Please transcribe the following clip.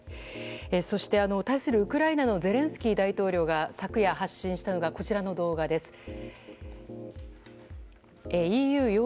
そして対するウクライナのゼレンスキー大統領が昨夜、発信したのがこちらの動画です。